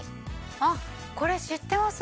あこれ知ってます。